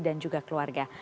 dan juga keluarga